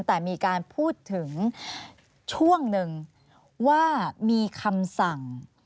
แต่มีการพูดถึงช่วงหนึ่งว่ามีคำสั่ง